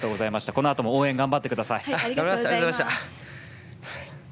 このあとも応援頑張ってください。